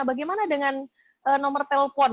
bagaimana dengan nomor telepon